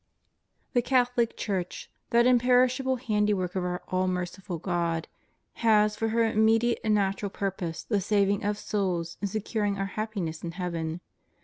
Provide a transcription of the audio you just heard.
The Catholic Church, that imperishable handiwork of our all merciful God, has for her immediate and natural purpose the saving of souls and securing our happiness in heaven.